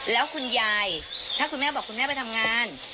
แล้วคุณยายถ้าคุณแม่บอกคุณแม่ไปทำงาน